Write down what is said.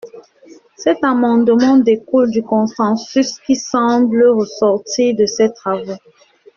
Cet amendement découle du consensus qui semble ressortir de ces travaux.